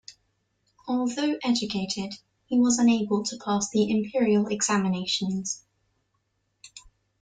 Although educated, he was unable to pass the imperial examinations.